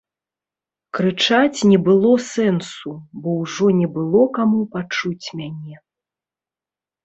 Крычаць не было сэнсу, бо ўжо не было каму пачуць мяне.